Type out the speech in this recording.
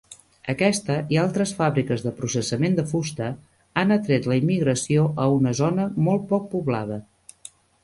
Aquesta i altres fàbriques de processament de fusta han atret la immigració a una zona molt poc poblada.